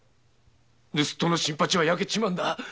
盗っ人の霞の新八は焼けちまうんだ」